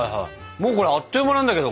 もうこれあっという間なんだけど。